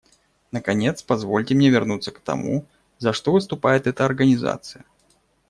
Наконец, позвольте мне вернуться к тому, за что выступает эта Организация.